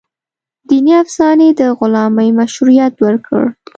دیني افسانې د غلامۍ مشروعیت ورکړ.